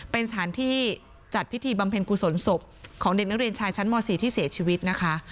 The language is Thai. เป็นสถานที่จัดพิธีบำเพ็ญกุศลศพของเด็กนักเรียนชายชั้นม๔ที่เสียชีวิตนะคะ